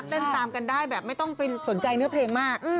ตามกันได้แบบไม่ต้องสนใจเนื้อเพลงมาก